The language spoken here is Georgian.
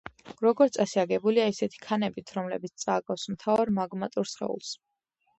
როგორც წესი აგებულია ისეთი ქანებით, რომლებიც წააგავს მთავარ მაგმატურ სხეულს.